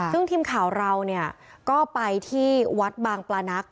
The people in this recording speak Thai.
ซึ่งทีมข่าวเราก็ไปที่วัดบางปลานัก